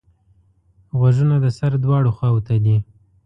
غوږونه د سر دواړو خواوو ته دي